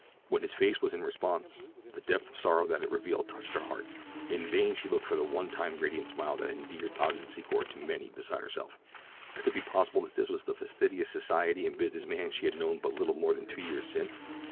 When his face was in repose the depth of sorrow that it revealed touched her heart. In vain she looked for the one time radiant smile that had endeared Ogden Secor to many beside herself. Could it be possible that this was the fastidious society and business man she had known but little more than two years since?